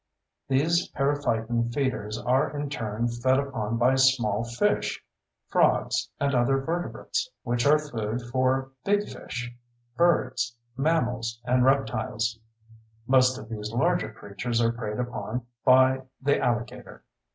These periphyton feeders are in turn fed upon by small fish, frogs, and other vertebrates, which are food for big fish, birds, mammals, and reptiles; most of these larger creatures are preyed upon by the alligator.